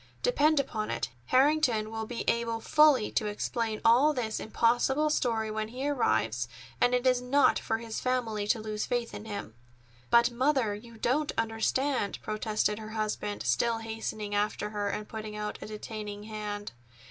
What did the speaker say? Depend upon it, Harrington will be able fully to explain all this impossible story when he arrives, and it is not for his family to lose faith in him." "But, Mother, you don't understand," protested her husband, still hastening after her and putting out a detaining hand.